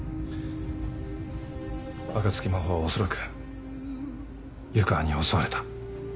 若槻真帆はおそらく湯川に襲われた。